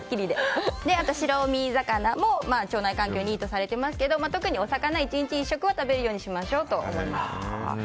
あとは白身魚も腸内環境にいいとされていますが特にお魚は１日１食は食べるようにしましょう。